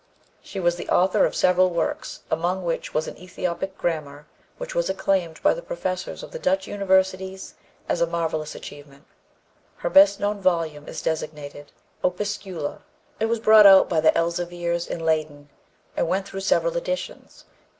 She was the author of several works, among which was an Ethiopic grammar which was acclaimed by the professors of the Dutch universities as a marvelous achievement. Her best known volume is designated Opuscula. It was brought out by the Elzevirs in Leyden and went through several editions.